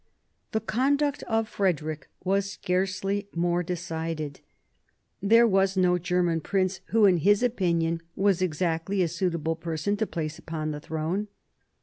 The conduct of Frederick was scarcely more decided. There was no German prince who in his opinion was exactly a suitable person to place upon the throne.